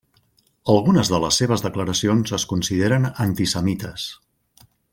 Algunes de les seves declaracions es consideren antisemites.